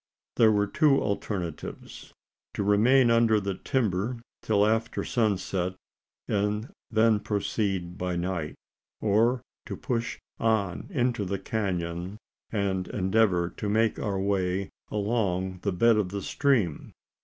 There were two alternatives: to remain under the timber till after sunset, and then proceed by night; or to push on into the canon, and endeavour to make our way along the bed of the stream.